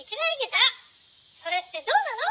それってどうなの？